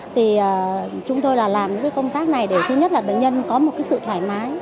thì chúng tôi làm những công tác này để thứ nhất là bệnh nhân có một sự thoải mái